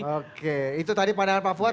oke itu tadi pandangan pak fuad